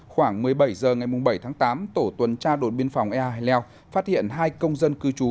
khoảng một mươi bảy h ngày bảy tháng tám tổ tuần tra đồn biên phòng ea hải leo phát hiện hai công dân cư trú